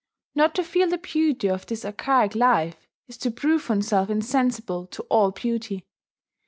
Not to feel the beauty of this archaic life is to prove oneself insensible to all beauty.